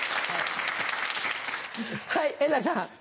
はい円楽さん。